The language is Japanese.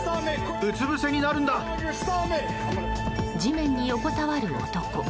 地面に横たわる男。